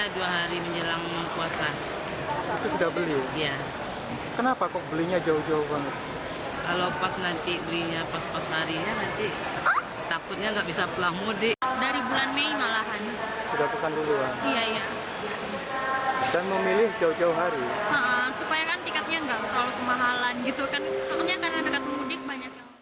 di tiketnya saatnya dua hari menjelang kuasa